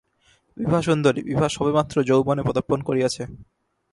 বিভা সুন্দরী, বিভা সবেমাত্র যৌবনে পদার্পণ করিয়াছে।